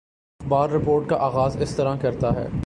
اخبار رپورٹ کا آغاز اس طرح کرتا ہے